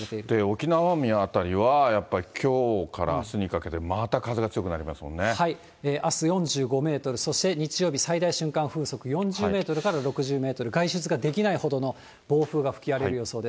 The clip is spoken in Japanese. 沖縄・奄美辺りは、やっぱりきょうからあすにかけてまた風があす４５メートル、そして日曜日、最大瞬間風速４０メートルから６０メートル、外出ができないほどの暴風が吹き荒れる予想です。